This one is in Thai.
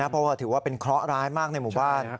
เพราะว่าถือว่าเป็นเคราะห์ร้ายมากในหมู่บ้าน